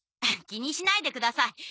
気にしないでください。